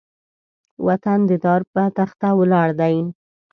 وطن د دار بۀ تخته ولاړ دی